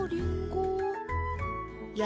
や